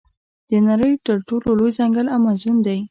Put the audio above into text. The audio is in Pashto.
د نړۍ تر ټولو لوی ځنګل امازون دی.